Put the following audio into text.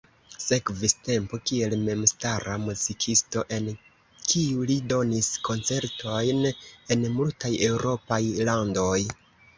Sekvis tempo kiel memstara muzikisto, en kiu li donis koncertojn en multaj eŭropaj landoj.